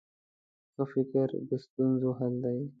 ښه فکر د ستونزو حل دی.